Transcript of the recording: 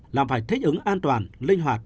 làm phải thích ứng an toàn linh hoạt